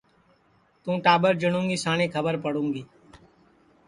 توں ٹاٻر جیٹؔوں گی ساٹی کھٻر پڑوں گی